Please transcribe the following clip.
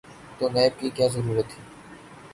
تو نیب کی کیا ضرورت تھی؟